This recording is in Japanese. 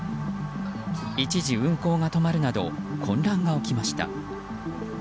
一時運行が止まるなど混乱が起きました。